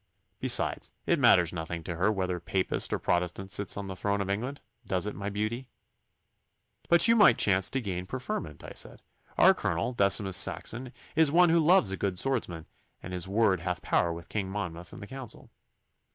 Besides, it matters nothing to her whether Papist or Protestant sits on the throne of England does it, my beauty?' 'But you might chance to gain preferment,' I said. 'Our Colonel, Decimus Saxon, is one who loves a good swordsman, and his word hath power with King Monmouth and the council.